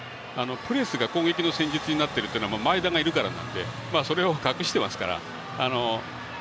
プレスが攻撃の戦術になるのは前田がいるからなのでそれを隠していますから。